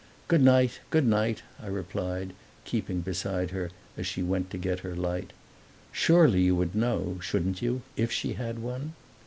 "Good night, good night!" I replied, keeping beside her as she went to get her light. "Surely you would know, shouldn't you, if she had one?"